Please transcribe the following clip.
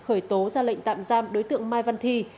khởi tố ra lệnh tạm giam đối tượng mai văn thi